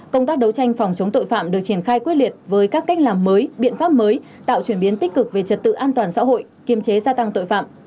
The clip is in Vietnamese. công tác đấu tranh phòng chống tội phạm được triển khai quyết liệt với các cách làm mới biện pháp mới tạo chuyển biến tích cực về trật tự an toàn xã hội kiềm chế gia tăng tội phạm